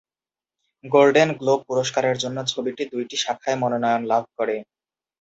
Golden globe পুরস্কারের জন্য ছবিটি দুইটি শাখায় মনোনয়ন লাভ করে।